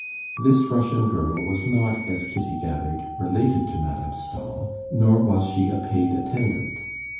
This Russian girl was not, as Kitty gathered, related to Madame Stahl, nor was she a paid attendant.